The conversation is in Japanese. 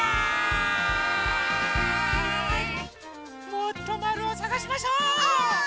もっとまるをさがしましょう！